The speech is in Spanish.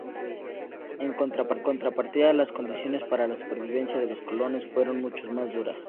En contrapartida las condiciones para la supervivencia de los colonos fueron mucho más duras.